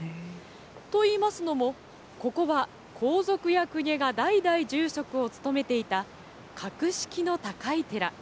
といいますのも、ここは皇族や公家が代々住職を務めていた格式の高い寺。